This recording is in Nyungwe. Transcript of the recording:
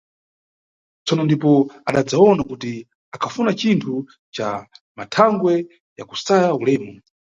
Tsono ndipo adadzawona kuti akhafuna cinthu ca mathangwe ya kusaya ulemu.